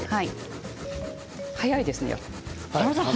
早いですね。